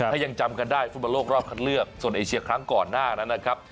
ถ้ายังจำกันได้ฟุตบอลโลกรอบคัดเลือกโซนเอเชียครั้งก่อนหน้านั้นนะครับ